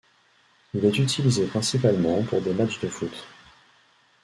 Il est utilisé principalement pour des matchs de football.